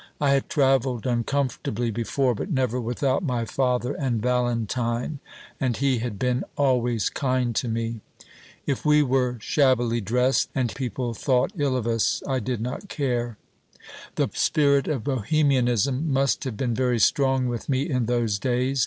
I had travelled uncomfortably before, but never without my father and Valentine and he had been always kind to me. If we were shabbily dressed, and people thought ill of us, I did not care. The spirit of Bohemianism must have been very strong with me in those days.